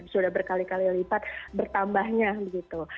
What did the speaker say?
sudah berkali kali lipat bertambahnya begitu